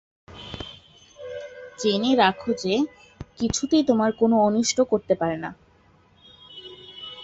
জেনে রাখ যে, কিছুতেই তোমার কোন অনিষ্ট করতে পারে না।